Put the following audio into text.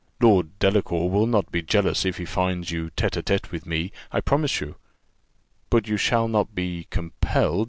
"Lord Delacour will not be jealous if he find you tête à tête with me, I promise you. But you shall not be compelled.